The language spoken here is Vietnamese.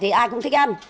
thì ai cũng thích ăn